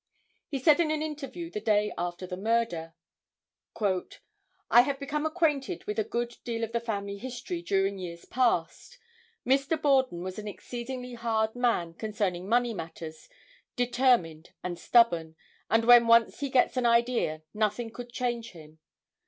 He said in an interview the day after the murder: "I have become acquainted with a good deal of the family history during years past. Mr. Borden was an exceedingly hard man concerning money matters, determined and stubborn, and when once he gets an idea nothing could change him.